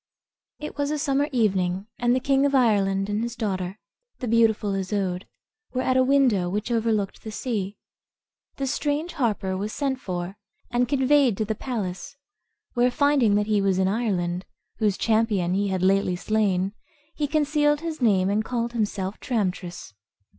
It was a summer evening, and the king of Ireland and his daughter, the beautiful Isoude, were at a window which overlooked the sea. The strange harper was sent for, and conveyed to the palace, where, finding that he was in Ireland, whose champion he had lately slain, he concealed his name, and called himself Tramtris.